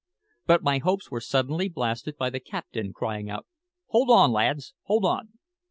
But my hopes were suddenly blasted by the captain crying out, "Hold on, lads, hold on!